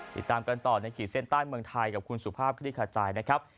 ติดตามกันต่อในขีดเส้นใต้เมืองไทยกับคุณสุภาพคลิกขจายนะครับ